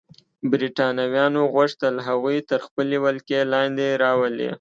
برېټانویانو غوښتل هغوی تر خپلې ولکې لاندې راولي.